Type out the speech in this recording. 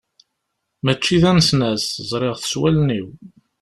Mačči d anesnas, ẓriɣ-t s wallalen-iw.